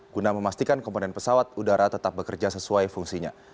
guna memastikan komponen pesawat udara tetap bekerja sesuai fungsinya